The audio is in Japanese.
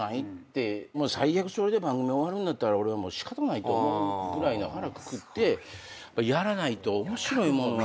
最悪それで番組終わるんだったら俺はもう仕方ないと思うぐらいの腹くくってやらないと面白いものは。